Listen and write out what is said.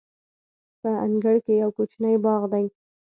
په انګړ کې یو کوچنی باغ دی.